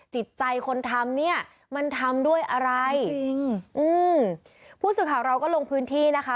จิตใจคนทำเนี่ยมันทำด้วยอะไรจริงอืมผู้สื่อข่าวเราก็ลงพื้นที่นะคะ